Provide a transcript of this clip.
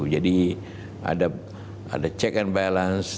jadi ada check and balance